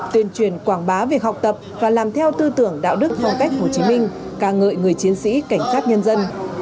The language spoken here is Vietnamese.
tuyên truyền quảng bá việc học tập và làm theo tư tưởng đạo đức phong cách hồ chí minh ca ngợi người chiến sĩ cảnh sát nhân dân